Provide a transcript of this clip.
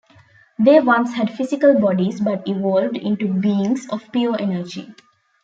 They once had physical bodies, but evolved into beings of pure energy.